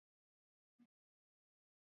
困难不会自动消失